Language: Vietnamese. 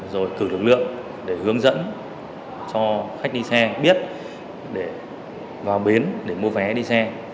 rồi cử lực lượng để hướng dẫn cho khách đi xe biết để vào bến để mua vé đi xe